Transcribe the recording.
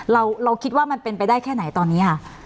เราคิดว่ามันเป็นไปได้แค่ไหนตอนนี้ค่ะ